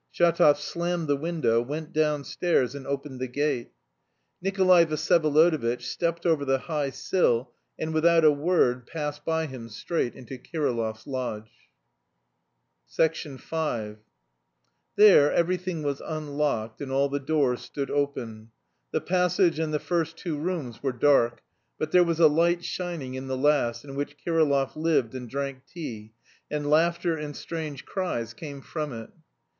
Shatov slammed the window, went downstairs and opened the gate. Nikolay Vsyevolodovitch stepped over the high sill, and without a word passed by him straight into Kirillov's lodge. V There everything was unlocked and all the doors stood open. The passage and the first two rooms were dark, but there was a light shining in the last, in which Kirillov lived and drank tea, and laughter and strange cries came from it.